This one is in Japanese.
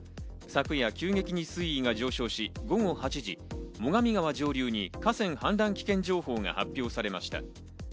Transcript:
昨夜、急激に水位が上昇し、午後８時、最上川上流に河川氾濫危険情報が発表されました。